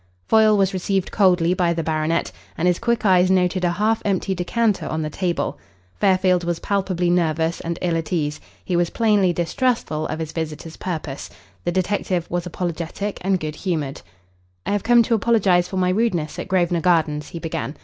Foyle was received coldly by the baronet, and his quick eyes noted a half empty decanter on the table. Fairfield was palpably nervous and ill at ease. He was plainly distrustful of his visitor's purpose. The detective was apologetic and good humoured. "I have come to apologise for my rudeness at Grosvenor Gardens," he began.